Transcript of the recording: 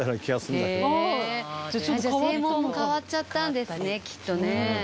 じゃあ正門変わっちゃったんですねきっとね。